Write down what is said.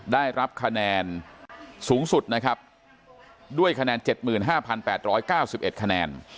ได้รับคะแนนสูงสุดนะครับด้วยคะแนนเจ็ดหมื่นห้าพันแปดร้อยเก้าสิบเอ็ดคะแนน